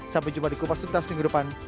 sampai jumpa di kupas tuntas minggu depan